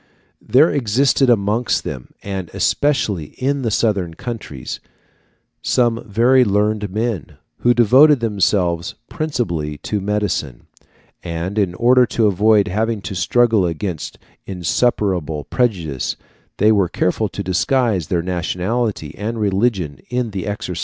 There existed amongst them, and especially in the southern countries, some very learned men, who devoted themselves principally to medicine; and in order to avoid having to struggle against insuperable prejudice, they were careful to disguise their nationality and religion in the exercise of that art.